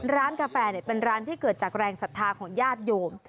ร้านกาแฟเนี่ยเป็นร้านที่เกิดจากแรงศัฒนาของญาติโยม